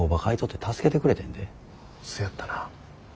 せやったな。